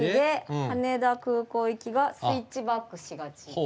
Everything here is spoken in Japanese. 羽田空港行きがスイッチバックしがち。